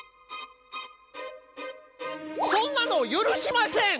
そんなの許しません！